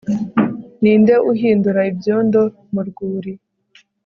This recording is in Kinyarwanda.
Ninde uhindura ibyondo mu rwuri